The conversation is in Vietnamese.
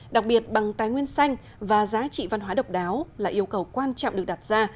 đặc biệt bằng tài nguyên xanh và giá trị văn hóa độc đáo là yêu cầu quan trọng được đặt ra